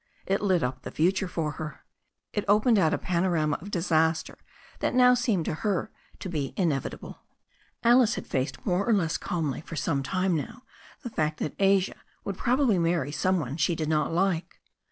It lit up the future for her. It opened out a panorama of disaster that now seemed to her to be inevitable. Alice had faced more or less calmly for some time now the fact that Asia would probably marry some one she did not like.